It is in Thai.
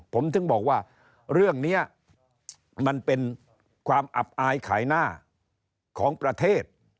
ผมถึงบอกว่าเรื่องนี้มันเป็นความอับอายขายหน้าของประเทศ